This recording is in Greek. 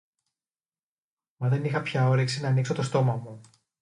Μα δεν είχα πια όρεξη ν' ανοίξω το στόμα μου